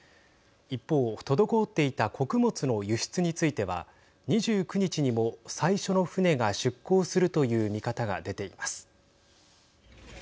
一方、滞っていた穀物の輸出については２９日にも最初の船が出港するという見方が出ています。